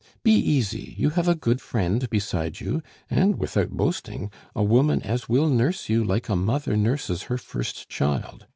Be easy, you have a good friend beside you, and without boasting, a woman as will nurse you like a mother nurses her first child.